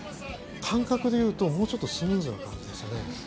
感覚でいうと、もうちょっとスムーズな感じですね。